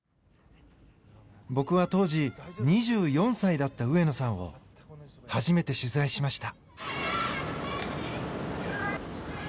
僕は当時２４歳だった上野さんを初めて取材しました。